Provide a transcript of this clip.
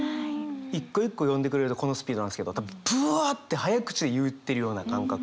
一個一個読んでくれるとこのスピードなんですけど多分ぶわって早口で言ってるような感覚。